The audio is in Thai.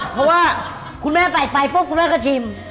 เพราะว่าคุณแม่ใส่ไปทุกนะก็ชิม